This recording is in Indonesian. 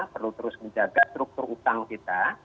perlu terus menjaga struktur utang kita